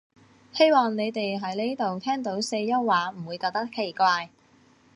希望你哋喺呢度聽到四邑話唔會覺得奇怪